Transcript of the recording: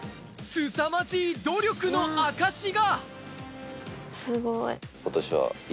すさまじい努力の証が。